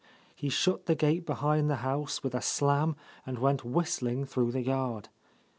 He shut the gate behind the house with a slam and went whis tling through the yard.